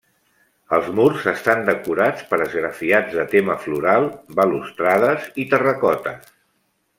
Els murs estan decorats per esgrafiats de tema floral, balustrades i terracotes.